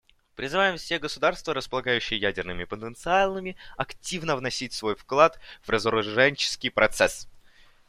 Призываем все государства, располагающие ядерными потенциалами, активно вносить свой вклад в разоруженческий процесс.